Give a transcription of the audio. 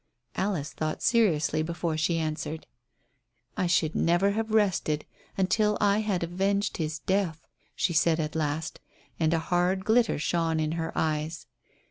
Alice thought seriously before she answered. "I should never have rested until I had avenged his death," she said at last, and a hard glitter shone in her eyes.